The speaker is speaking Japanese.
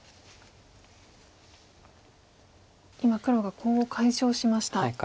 今黒がコウを解消しました。